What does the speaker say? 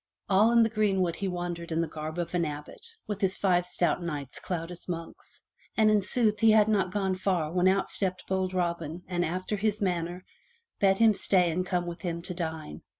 All in the greenwood he wandered in the garb of an abbot, with his five stout knights clad as monks. And in sooth he had not gone far when out stepped bold Robin and after his manner bade him stay and come with him to dine.